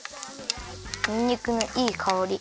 にんにくのいいかおり。